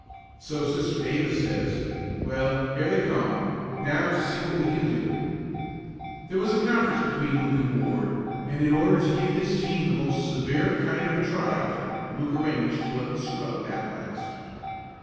"So Sister Davis says. Well, here they come. Now to see what we can do?" There was a conference between Luke and Ward, and in order to give his team the most severe kind of a try out, Luke arranged to let the scrub bat last.